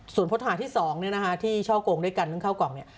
ส่วนพฤติฐานที่๒ที่เช่าโกงด้วยกันแล้วเข้ากล่องนี้